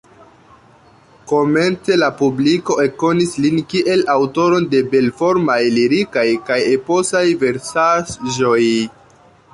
Komence la publiko ekkonis lin kiel aŭtoron de belformaj lirikaj kaj eposaj versaĵoj.